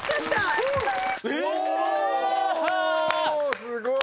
すごい！